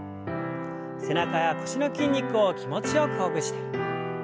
背中や腰の筋肉を気持ちよくほぐして。